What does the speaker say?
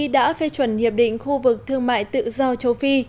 đã phê chuẩn hiệp định khu vực thương mại tự do châu phi